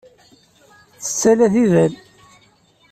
Tettett ala tidal.